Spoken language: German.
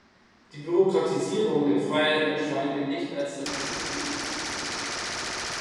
Die Bürokratisierung der Freiheit erscheint mir nicht als der richtige Weg.